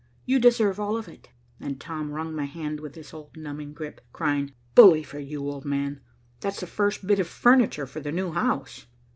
You deserve all of it," and Tom wrung my hand with his old numbing grip, crying, "Bully for you, old man. That's the first bit of furniture for the new house."